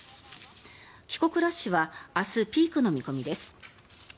帰国ラッシュは明日、ピークの見込みです。